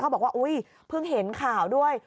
บอกว่าอุ๊ยเพิ่งเห็นข่าวด้วย